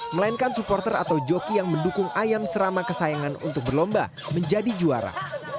melainkan supporter atau joki yang mendukung ayam serama kesayangan untuk berlomba menjadi juara